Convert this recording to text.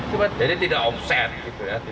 jadi tidak omset